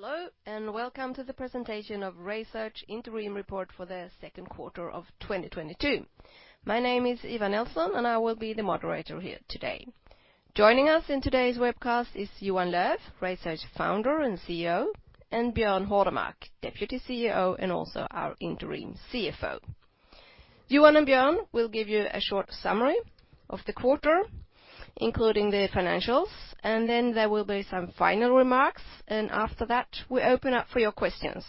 Hello, and welcome to the presentation of RaySearch interim report for the second quarter of 2022. My name is Eva Nelson, and I will be the moderator here today. Joining us in today's webcast is Johan Löf, RaySearch Founder and CEO, and Björn Hårdemark, Deputy CEO, and also our interim CFO. Johan and Björn will give you a short summary of the quarter, including the financials, and then there will be some final remarks. After that, we open up for your questions,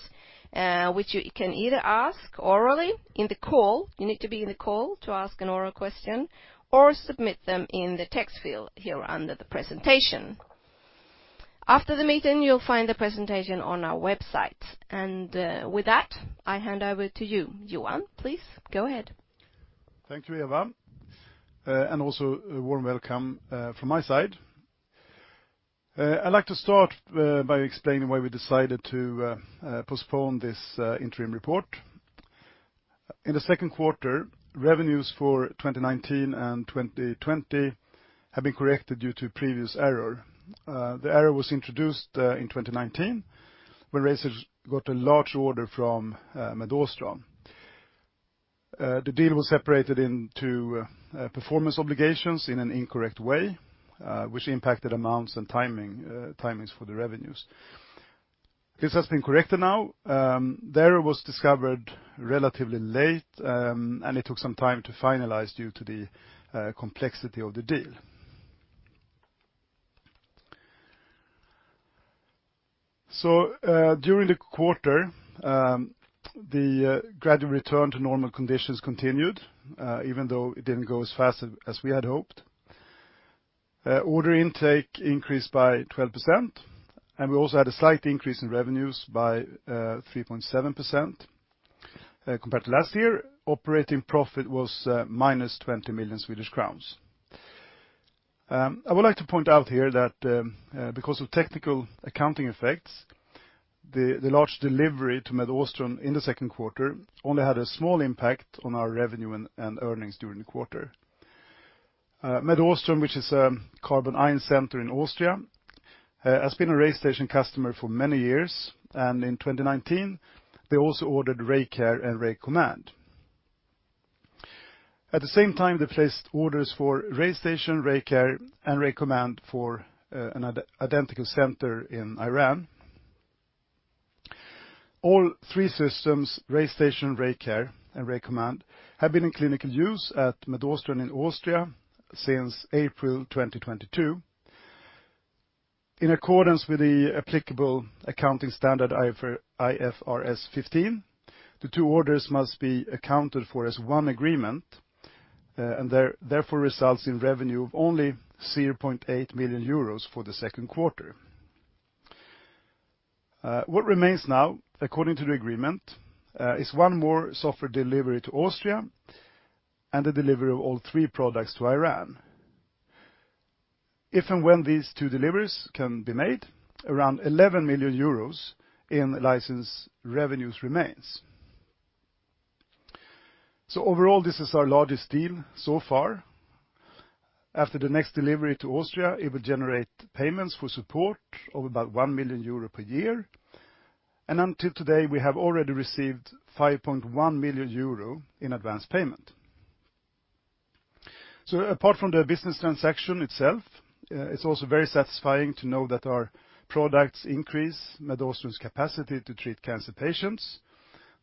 which you can either ask orally in the call, you need to be in the call to ask an oral question, or submit them in the text field here under the presentation. After the meeting, you'll find the presentation on our website. With that, I hand over to you, Johan. Please go ahead. Thank you, Eva. Also a warm welcome from my side. I'd like to start by explaining why we decided to postpone this interim report. In the second quarter, revenues for 2019 and 2020 have been corrected due to previous error. The error was introduced in 2019 when RaySearch got a large order from MedAustron. The deal was separated into performance obligations in an incorrect way, which impacted amounts and timing for the revenues. This has been corrected now. The error was discovered relatively late, and it took some time to finalize due to the complexity of the deal. During the quarter, the gradual return to normal conditions continued, even though it didn't go as fast as we had hoped. Order intake increased by 12%, and we also had a slight increase in revenues by 3.7%. Compared to last year, operating profit was -20 million Swedish crowns. I would like to point out here that because of technical accounting effects, the large delivery to MedAustron in the second quarter only had a small impact on our revenue and earnings during the quarter. MedAustron, which is a carbon ion center in Austria, has been a RayStation customer for many years, and in 2019, they also ordered RayCare and RayCommand. At the same time, they placed orders for RayStation, RayCare, and RayCommand for an identical center in Iran. All three systems, RayStation, RayCare, and RayCommand, have been in clinical use at MedAustron in Austria since April 2022. In accordance with the applicable accounting standard IFRS 15, the two orders must be accounted for as one agreement, and therefore results in revenue of only 0.8 million euros for the second quarter. What remains now, according to the agreement, is one more software delivery to Austria and the delivery of all three products to Iran. If and when these two deliveries can be made, around 11 million euros in license revenues remains. Overall, this is our largest deal so far. After the next delivery to Austria, it will generate payments for support of about 1 million euro per year, and until today, we have already received 5.1 million euro in advanced payment. Apart from the business transaction itself, it's also very satisfying to know that our products increase MedAustron's capacity to treat cancer patients.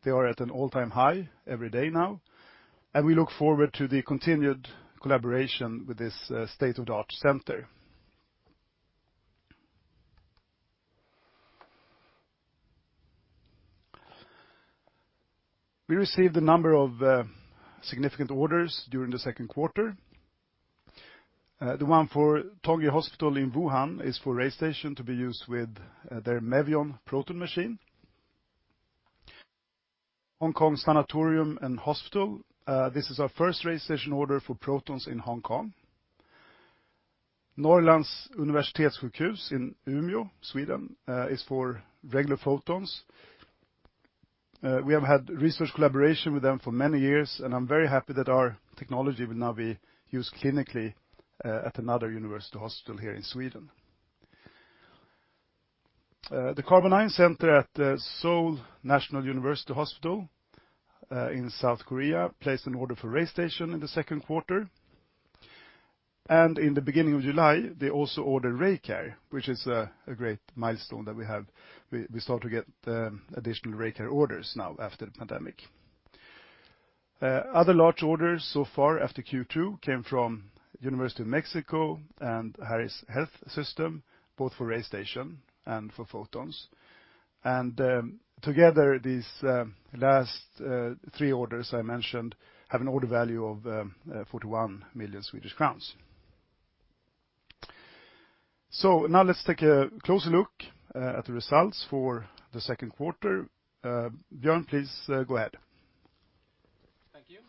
They are at an all-time high every day now, and we look forward to the continued collaboration with this state-of-the-art center. We received a number of significant orders during the second quarter. The one for Tongji Hospital in Wuhan is for RayStation to be used with their Mevion proton machine. Hong Kong Sanatorium & Hospital, this is our first RayStation order for protons in Hong Kong. Norrlands universitetssjukhus in Umeå, Sweden, is for regular photons. We have had research collaboration with them for many years, and I'm very happy that our technology will now be used clinically at another university hospital here in Sweden. The carbon ion center at Seoul National University Hospital in South Korea placed an order for RayStation in the second quarter. In the beginning of July, they also ordered RayCare, which is a great milestone that we have. We start to get additional RayCare orders now after the pandemic. Other large orders so far after Q2 came from National Autonomous University of Mexico and Harris Health System, both for RayStation and for photons. Together, these last three orders I mentioned have an order value of 41 million Swedish crowns. Now let's take a closer look at the results for the second quarter. Björn, please, go ahead. Thank you.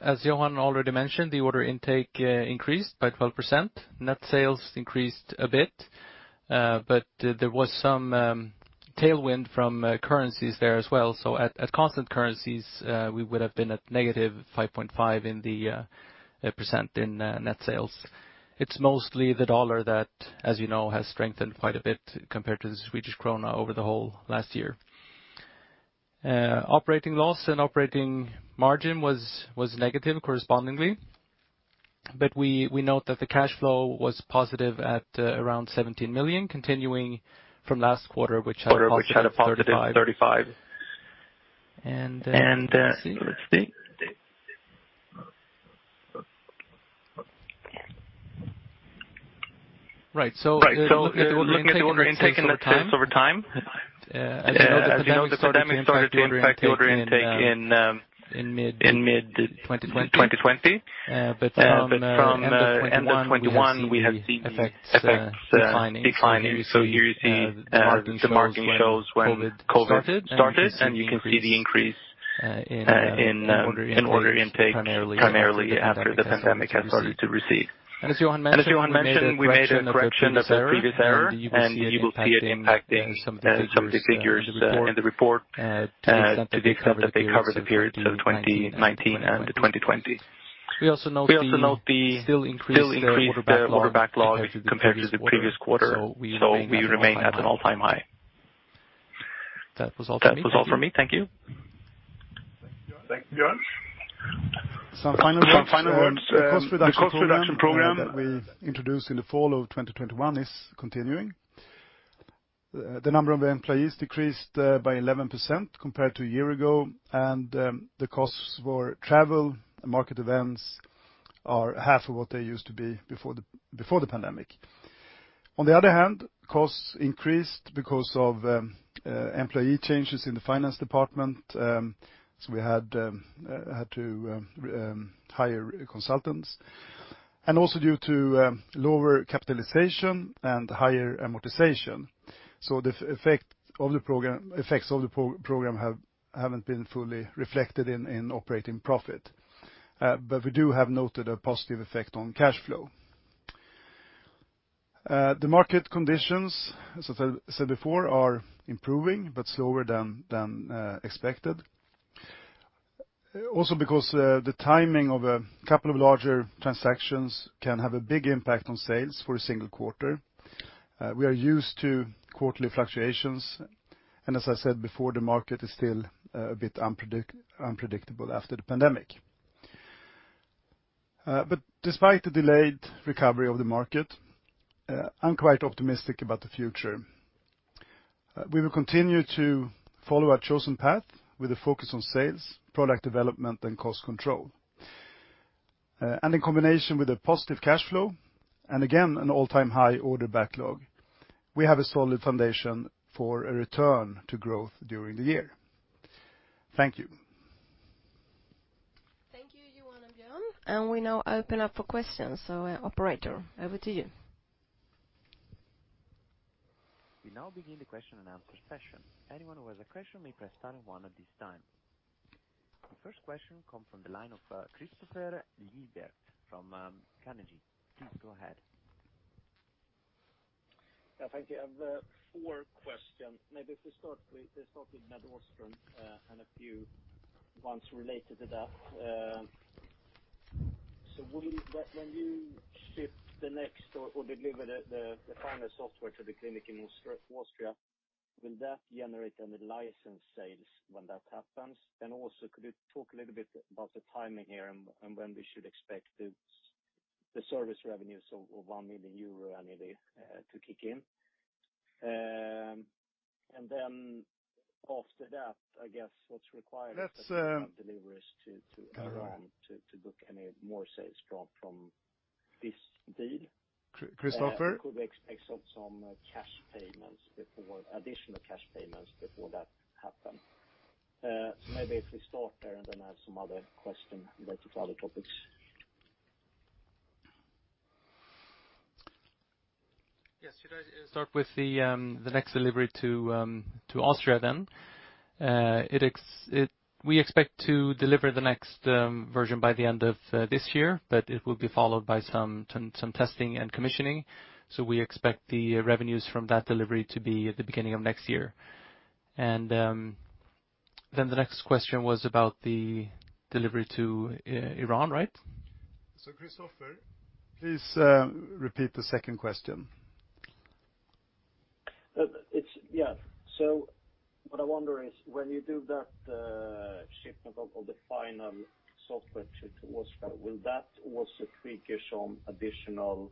as Johan already mentioned, the order intake increased by 12%. Net sales increased a bit, but there was some, Tailwind from currencies there as well. At constant currencies, we would have been at -5.5% in net sales. It's mostly the dollar that, as you know, has strengthened quite a bit compared to the Swedish krona over the whole last year. Operating loss and operating margin was negative correspondingly. We note that the cash flow was positive at around 17 million, continuing from last quarter, which had a positive 35 million. Let's see. Looking at the order intake over time. As you know, the pandemic started to impact the order intake in mid-2020. From end of 2021 we have seen the effects declining. Here you see, the margin shows when COVID started, and you can see the increase in order intake primarily after the pandemic has started to recede. As Johan mentioned, we made a correction of the previous error, and you will see it impacting some of the figures in the report to the extent that they cover the periods of 2019 and 2020. We also note the still increased order backlog compared to the previous quarter, so we remain at an all-time high. That was all from me. Thank you. Thank you, Björn. Some final notes. The cost reduction program that we introduced in the fall of 2021 is continuing. The number of employees decreased by 11% compared to a year ago, and the costs for travel and market events are half of what they used to be before the pandemic. On the other hand, costs increased because of employee changes in the finance department, so we had to hire consultants, and also due to lower capitalization and higher amortization. The effects of the program haven't been fully reflected in operating profit. We do have noted a positive effect on cash flow. The market conditions, as I said before, are improving but slower than expected. Also because the timing of a couple of larger transactions can have a big impact on sales for a single quarter. We are used to quarterly fluctuations. As I said before, the market is still a bit unpredictable after the pandemic. Despite the delayed recovery of the market, I'm quite optimistic about the future. We will continue to follow our chosen path with a focus on sales, product development, and cost control. In combination with a positive cash flow, and again, an all-time high order backlog, we have a solid foundation for a return to growth during the year. Thank you. Thank you, Johan and Björn. We now open up for questions. Operator, over to you. We now begin the question-andanswer session. Anyone who has a question may press star one at this time. The first question comes from the line of Kristoffer Lindberg from Carnegie. Please go ahead. Yeah, thank you. I have four questions. Maybe if we start with, let's start with MedAustron, and a few ones related to that. So when you ship the next or deliver the final software to the clinic in Austria, will that generate any license sales when that happens? And also, could you talk a little bit about the timing here and when we should expect the service revenues of 1 million euro annually to kick in? And then after that, I guess what's required- Let's. deliveries to Iran to book any more sales from this deal? Kristoffer? Could we expect some additional cash payments before that happen? Maybe if we start there, and then I have some other question related to other topics. Yes. Should I start with the next delivery to Austria then? We expect to deliver the next version by the end of this year, but it will be followed by some testing and commissioning, so we expect the revenues from that delivery to be at the beginning of next year. The next question was about the delivery to Iran, right? Kristoffer, please, repeat the second question. What I wonder is when you do that shipment of the final software to Austria, will that also trigger some additional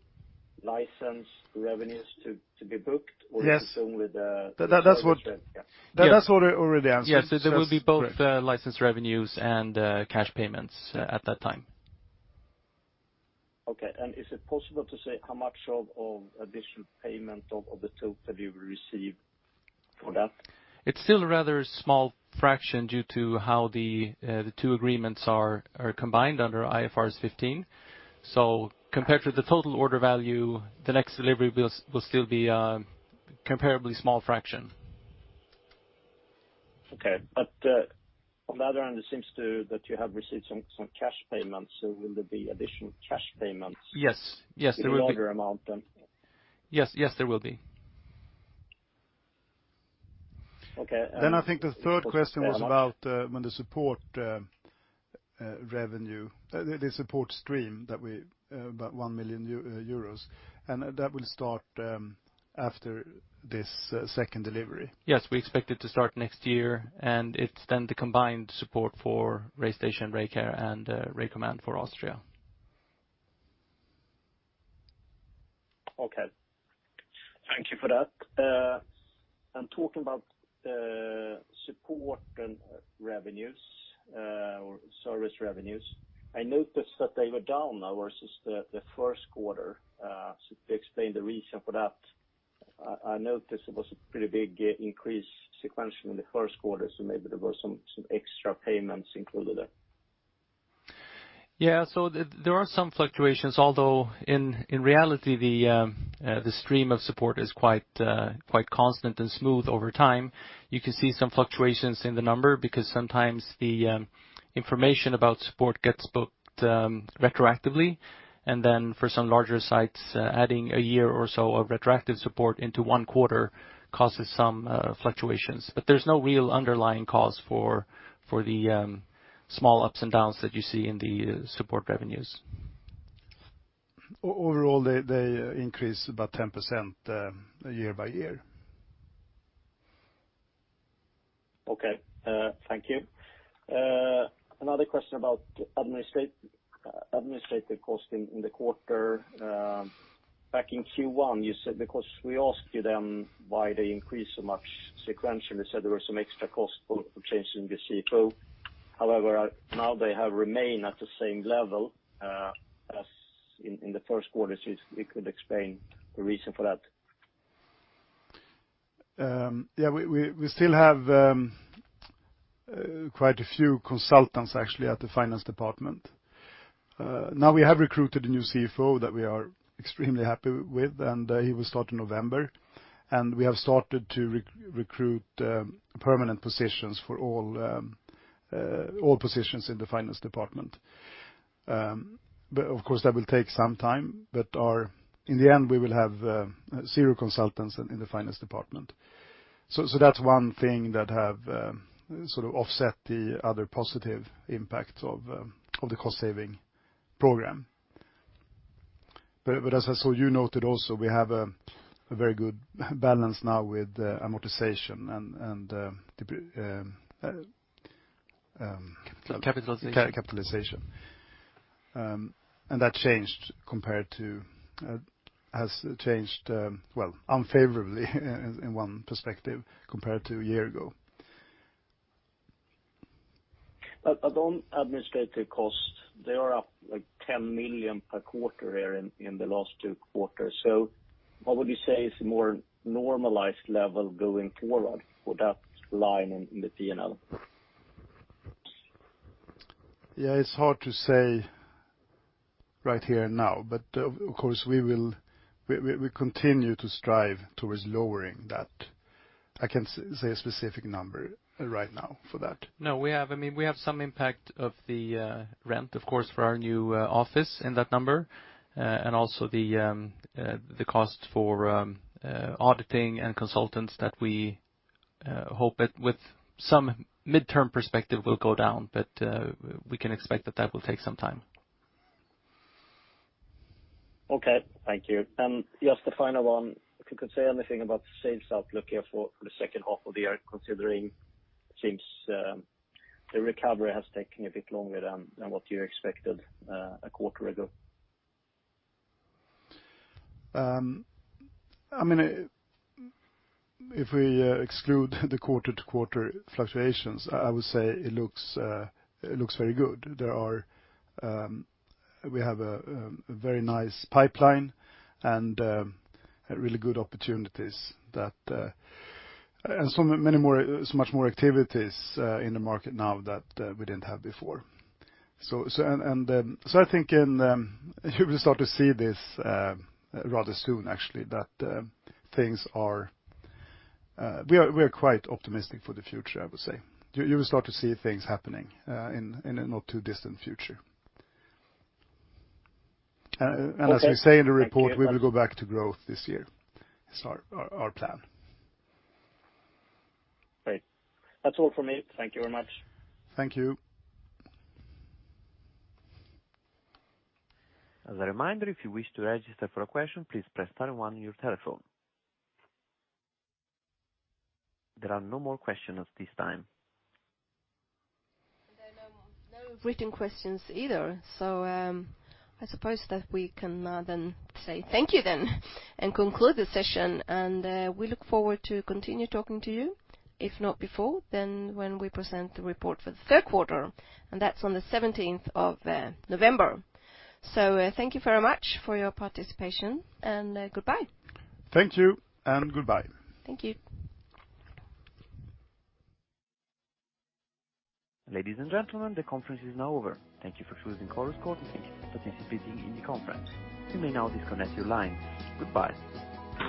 license revenues to be booked? Yes. Is this only the That's what. Yeah. That's what I already answered. Yes. There will be both license revenues and cash payments at that time. Okay. Is it possible to say how much of additional payment of the total you will receive for that? It's still a rather small fraction due to how the two agreements are combined under IFRS 15. Compared to the total order value, the next delivery will still be a comparably small fraction. Okay. On the other end, it seems that you have received some cash payments, so will there be additional cash payments? Yes. Yes, there will be. In larger amount, then. Yes. Yes, there will be. Okay. I think the third question was about when the support revenue, the support stream that we about 1 million euros, and that will start after this second delivery. Yes, we expect it to start next year, and it's then the combined support for RayStation, RayCare, and RayCommand for Austria. Okay. Thank you for that. Talking about support and revenues or service revenues, I noticed that they were down now versus the first quarter, so if you explain the reason for that. I noticed it was a pretty big increase sequentially in the first quarter, so maybe there were some extra payments included there. Yeah. There are some fluctuations, although in reality the stream of support is quite constant and smooth over time. You can see some fluctuations in the number because sometimes the information about support gets booked retroactively, and then for some larger sites adding a year or so of retroactive support into one quarter causes some fluctuations. There's no real underlying cause for the small ups and downs that you see in the support revenues. Overall, they increase about 10% year by year. Thank you. Another question about administrative costing in the quarter. Back in Q1, you said, because we asked you then why they increased so much sequentially, you said there were some extra costs for changing the CFO. However, now they have remained at the same level as in the first quarter. If you could explain the reason for that. Yeah. We still have quite a few consultants actually at the finance department. Now we have recruited a new CFO that we are extremely happy with, and he will start in November. We have started to recruit permanent positions for all positions in the finance department. Of course, that will take some time. In the end, we will have zero consultants in the finance department. That's one thing that have sort of offset the other positive impact of the cost saving program. As I saw, you noted also we have a very good balance now with amortization and. Capitalization. Capitalization. That has changed unfavorably in one perspective compared to a year ago. On administrative costs, they are up, like, 10 million per quarter here in the last two quarters. What would you say is more normalized level going forward for that line in the P&L? Yeah. It's hard to say right here and now, but of course, we continue to strive towards lowering that. I can't say a specific number right now for that. No, I mean, we have some impact of the rent of course for our new office in that number, and also the cost for auditing and consultants that we hope that with some midterm perspective will go down. We can expect that will take some time. Okay. Thank you. Just a final one. If you could say anything about the sales outlook here for the second half of the year, considering it seems the recovery has taken a bit longer than what you expected a quarter ago? I mean, if we exclude the quarter-to-quarter fluctuations, I would say it looks very good. We have a very nice pipeline and really good opportunities, so much more activities in the market now than we didn't have before. I think you will start to see this rather soon, actually. We are quite optimistic for the future, I would say. You will start to see things happening in a not too distant future. Okay. Thank you. As we say in the report, we will go back to growth this year is our plan. Great. That's all for me. Thank you very much. Thank you. As a reminder, if you wish to register for a question, please press star one on your telephone. There are no more questions at this time. There are no more written questions either. I suppose that we can then say thank you then and conclude the session. We look forward to continue talking to you, if not before, then when we present the report for the third quarter, and that's on the seventeenth of November. Thank you very much for your participation, and goodbye. Thank you, and goodbye. Thank you. Ladies and gentlemen, the conference is now over. Thank you for choosing Chorus Call and thank you for participating in the conference. You may now disconnect your line. Goodbye.